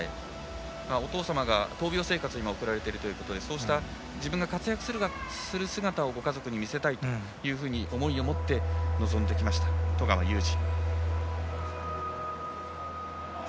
お父様が闘病生活を今、送られているということで自分が活躍する姿をご家族に見せたいという思いを持って臨んできました十川裕次。